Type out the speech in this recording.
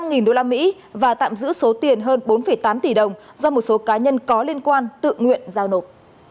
một trăm linh usd và tạm giữ số tiền hơn bốn tám tỷ đồng do một số cá nhân có liên quan tự nguyện giao nộp